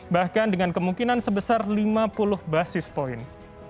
bahkan dengan kemungkinan sebesar lima puluh basis point